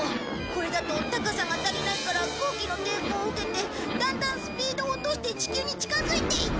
これだと高さが足りないから空気の抵抗を受けてだんだんスピードを落として地球に近づいていっちゃう。